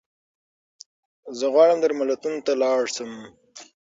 زه غواړم درملتون ته لاړشم